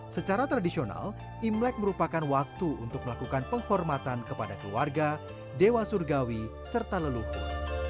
secara tradisional imlek merupakan waktu untuk melakukan penghormatan kepada keluarga dewa surgawi serta leluhur